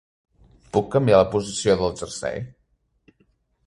Puc canviar la posició del jersei?